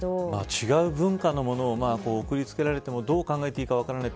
違う文化のものを送りつけられてもどう考えていいか分からない。